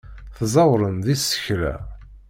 Tẓewrem deg tsekla.